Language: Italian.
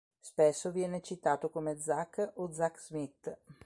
Spesso viene citato come Zach o Zack Smith.